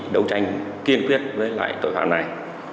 đấu tranh kiên quyết với loại tội phạm này